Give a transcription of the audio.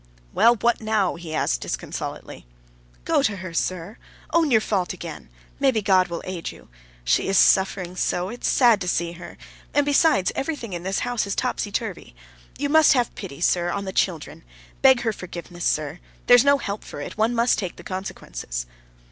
"Well, what now?" he asked disconsolately. "Go to her, sir; own your fault again. Maybe God will aid you. She is suffering so, it's sad to see her; and besides, everything in the house is topsy turvy. You must have pity, sir, on the children. Beg her forgiveness, sir. There's no help for it! One must take the consequences...."